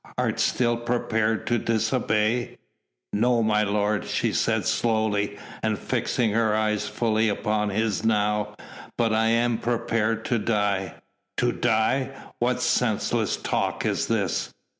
Art still prepared to disobey?" "No, my lord," she said slowly, and fixing her eyes fully upon his now, "but I am prepared to die." "To die? What senseless talk is this?"